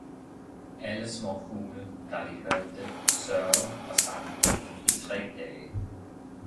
Alle småfugle, da de hørte det, sørgede og sang ikke i tre dage.